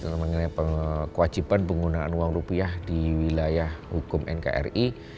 mengenai kewajiban penggunaan uang rupiah di wilayah hukum nkri